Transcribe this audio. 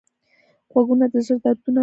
غوږونه د زړه دردونه اوري